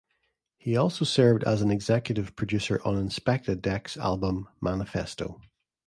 He also served as executive producer on Inspectah Deck's album '"Manifesto".